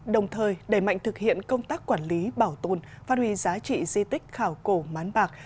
đồng thời đẩy mạnh thực hiện công tác quản lý bảo tồn phát huy giá trị di tích khảo cổ mán bạc